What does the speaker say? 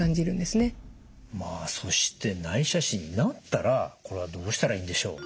まあそして内斜視になったらこれはどうしたらいいんでしょう？